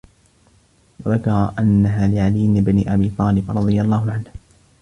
وَذَكَرَ أَنَّهَا لِعَلِيِّ بْنِ أَبِي طَالِبٍ رَضِيَ اللَّهُ عَنْهُ